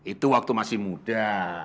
itu waktu masih muda